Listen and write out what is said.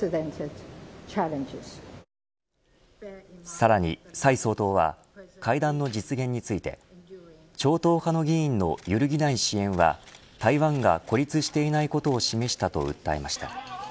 さらに蔡総統は会談の実現について超党派の議員の揺るぎない支援は台湾が孤立していないことを示したと訴えました。